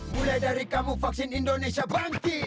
mulai dari kamu vaksin indonesia bangki